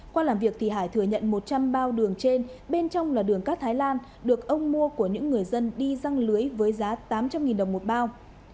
qua làm việc thì hải thừa nhận một trăm linh bao đường trên bên trong là đường cát thái lan được ông mua của những người dân đi răng lưới với giá tám trăm linh đồng một bao